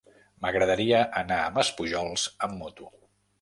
M'agradaria anar a Maspujols amb moto.